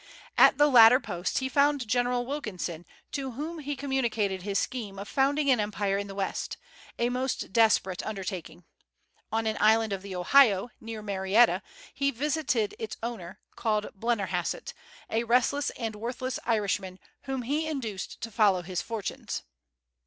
At the latter post he found General Wilkinson, to whom he communicated his scheme of founding an empire in the West, a most desperate undertaking. On an island of the Ohio, near Marietta, he visited its owner, called Blennerhasset, a restless and worthless Irishman, whom he induced to follow his fortunes.